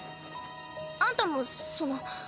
あんたもその。